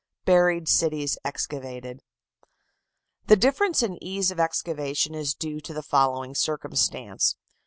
BURIED CITIES EXCAVATED. The difference in ease of excavation is due to the following circumstance.